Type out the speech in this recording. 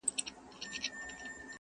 له انګلیسي ترجمې څخه!